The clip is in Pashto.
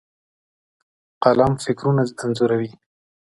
قلم فکرونه انځوروي.